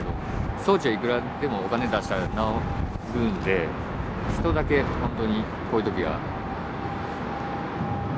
装置はいくらでもお金出したら直るんで人だけほんとにこういう時は。